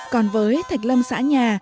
còn với thạch lâm xã nhà